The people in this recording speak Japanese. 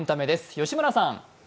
吉村さん。